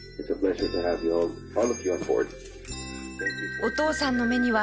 お父さんの目には涙が。